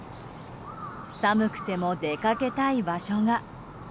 寒くても出かけたい場所が。